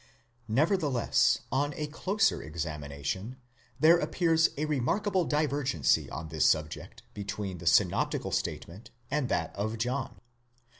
Nevertheless, on a closer examination, there appears a remarkable diver gency on this subject between the synoptical statement and that of John.